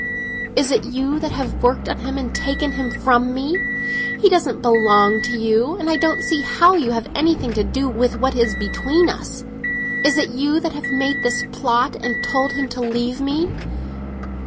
"Is it you that have worked on him and taken him from me? He doesn't belong to you, and I don't see how you have anything to do with what is between us! Is it you that have made this plot and told him to leave me?